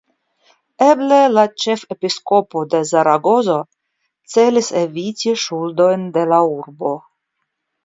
Eble la ĉefepiskopo de Zaragozo celis eviti ŝuldojn de la urbo.